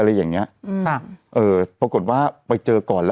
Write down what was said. เราก็มีความหวังอะ